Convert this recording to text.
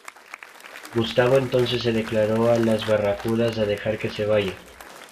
Gustavo entonces se declaró a las Barracudas a dejar que se vaya.